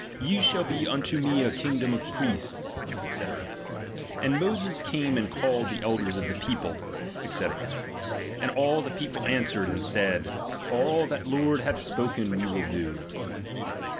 Ye tihall be unto me a kingdom of priests, he. And Moses cayne and called the elders of the people, &c. And all the people an swered, and said : All that the Lord hath spohen we will do.